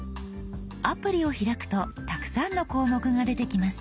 アプリを開くとたくさんの項目が出てきます。